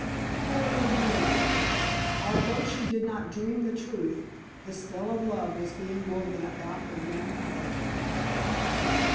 Poor little Beatrix! Although she did not dream the truth, the spell of love was being woven about her young heart.